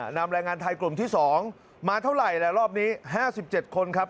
นำแรงงานไทยกลุ่มที่๒มาเท่าไหร่แล้วรอบนี้๕๗คนครับ